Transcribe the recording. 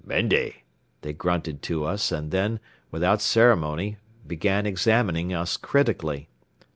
"Mende," they grunted to us and then, without ceremony, began examining us critically.